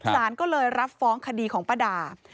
สารก็เลยรับฟ้องคดีของป้าดา